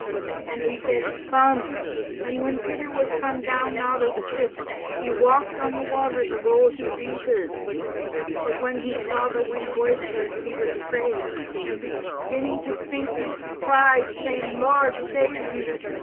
" 'And He said. Come. And when Peter was come down out of the ship, he walked on the water, to go to Jesus. "'But when he saw the wind boisterous, he was afraid; and beginning to sink, he cried, saying. Lord, save me.